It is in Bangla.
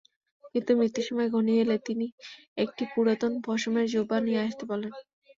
কিন্তু মৃত্যুর সময় ঘনিয়ে এলে তিনি একটি পুরাতন পশমের জুব্বা নিয়ে আসতে বললেন।